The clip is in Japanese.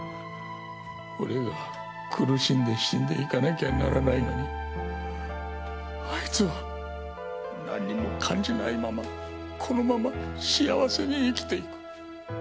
俺が苦しんで死んでいかなきゃならないのにあいつは何も感じないままこのまま幸せに生きていく。